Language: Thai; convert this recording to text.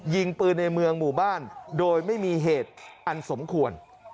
ยิงปืนในเมืองหมู่บ้านโดยไม่มีเหตุอันสมควร